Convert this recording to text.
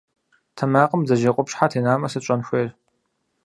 Тэмакъым бдзэжьей къупщхьэ тенамэ, сыт щӏэн хуейр?